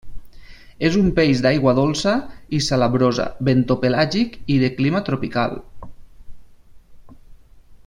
És un peix d'aigua dolça i salabrosa, bentopelàgic i de clima tropical.